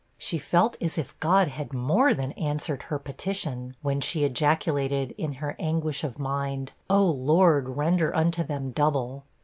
She felt as if God had more than answered her petition, when she ejaculated, in her anguish of mind, 'Oh, Lord, render unto them double!'